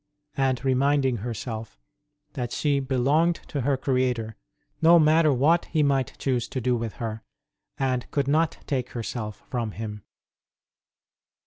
and reminding herself that she belonged to her Creator, no matter what He might choose to do with her, and could not take herself from Him.